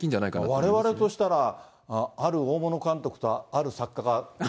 われわれとしたら、ある大物監督と、ある作家が。